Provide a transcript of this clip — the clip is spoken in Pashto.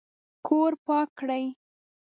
کور پاک کړئ